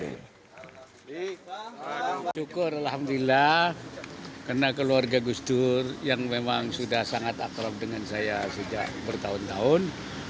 syukur alhamdulillah karena keluarga gus dur yang memang sudah sangat akrab dengan saya sejak bertahun tahun